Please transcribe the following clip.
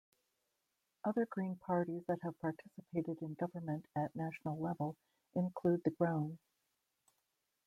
Other Green parties that have participated in government at national level include the Groen!